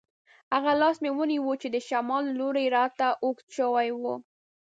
هغه لاس مې ونیو چې د شمال له لوري راته اوږد شوی وو.